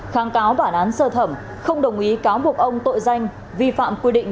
kháng cáo bản án sơ thẩm không đồng ý cáo buộc ông tội danh vi phạm quy định